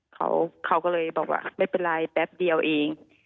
เขาก็เลยบอกว่าไม่เป็นไรแป๊บเดียวเอง